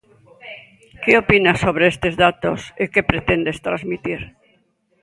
Que opinas sobre estes datos e que pretendes transmitir?